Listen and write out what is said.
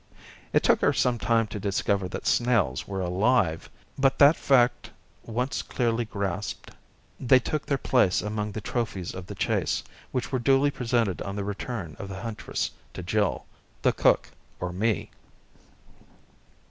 It took her some time to discover that snails were alive, but that fact once clearly grasped, they took their place among the trophies of the chase, which were duly presented on the return of the huntress to Jill, the cook, or me.